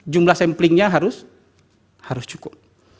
jumlah sampling nya harus cukup